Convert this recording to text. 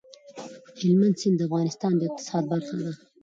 هلمند سیند د افغانستان د اقتصاد برخه ده.